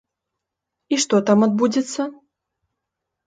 І што там адбудзецца?